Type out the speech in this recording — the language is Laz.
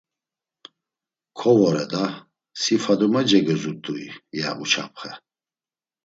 “Kovore da! Si Fadume cegozurt̆ui?” ya Uçapxe.